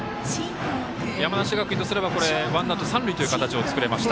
山梨学院とすればワンアウト、三塁という形を作れました。